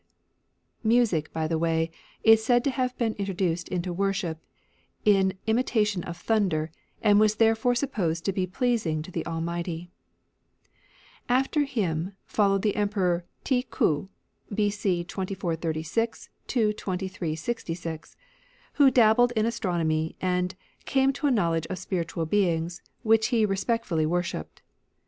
and Music, by the way, is said to have ^®^' been introduced into worship in imitation of thunder, and was therefore sup posed to be pleasing to the Almighty. After him followed the Emperor Ti K'u, b.o. 2436 2366, who dabbled in astronomy, and " came to a knowledge of spiritual beings, which he respect fully worshipped."